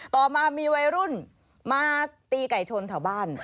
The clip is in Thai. ต่อมามีวัยรุ่นมาตีไก่ชนแถวบ้าน